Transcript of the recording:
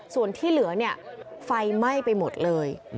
ส่วนที่เหลือเนี่ยไฟไหม้ไปหมดเลย